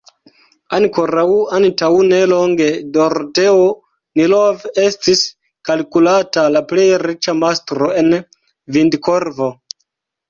Ankoraŭ antaŭ nelonge Doroteo Nilov estis kalkulata la plej riĉa mastro en Vindirkovo.